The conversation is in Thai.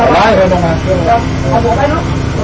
เย็นเย็น